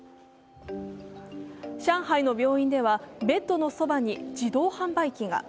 上海の病院ではベッドのそばに自動販売機が。